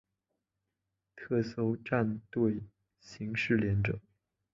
特搜战队刑事连者。